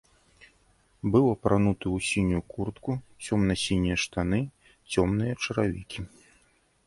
Быў апрануты ў сінюю куртку, цёмна-сінія штаны, цёмныя чаравікі.